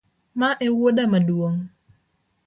Ma ewuoda maduong’?